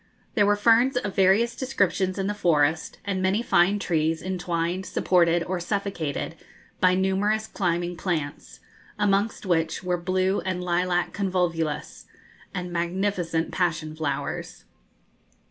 There were ferns of various descriptions in the forest, and many fine trees, entwined, supported, or suffocated by numerous climbing plants, amongst which were blue and lilac convolvulus, and magnificent passion flowers.